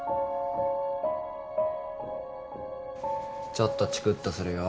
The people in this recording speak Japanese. ちょっとチクッとするよ。